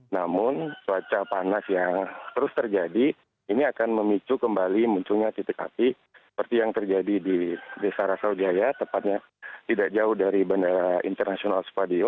namun cuaca panas yang terus terjadi ini akan memicu kembali munculnya titik api seperti yang terjadi di desa rasal jaya tepatnya tidak jauh dari bandara internasional